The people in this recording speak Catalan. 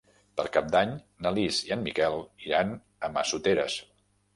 Per Cap d'Any na Lis i en Miquel iran a Massoteres.